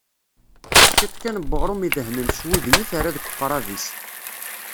Ciṭ kan n uɣrum idehnen s wudi i terra deg uqrab-is.